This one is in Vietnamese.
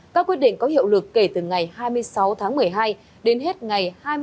các quyết định có hiệu lực kể từ ngày hai mươi sáu tháng một mươi hai đến hết ngày